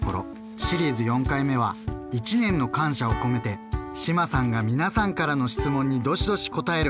シリーズ４回目は１年の感謝を込めて志麻さんが皆さんからの質問にどしどし答える